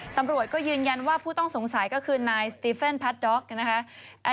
ตำรวจก็ยืนยันว่าผู้ต้องสงสัยก็คือนายสติเฟนพัดด็อกนะคะ